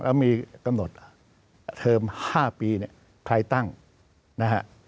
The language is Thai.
แล้วมีกำหนดเทอม๕ปีเนี่ยใครตั้งนะฮะ